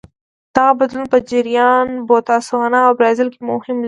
دغه بدلون په جاپان، بوتسوانا او برازیل کې هم لیدل شوی.